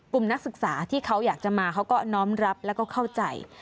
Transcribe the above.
นักศึกษาที่เขาอยากจะมาเขาก็น้อมรับแล้วก็เข้าใจ